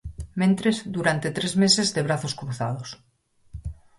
Mentres, durante tres meses, de brazos cruzados.